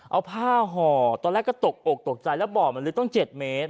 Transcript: เอาผ้าห่อตอนแรกก็ตกอกตกใจแล้วบ่อมันลึกต้อง๗เมตร